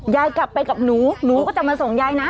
ยายกลับไปกับหนูหนูก็จะมาส่งยายนะ